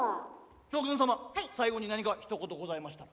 将軍様最後に何かひと言ございましたら。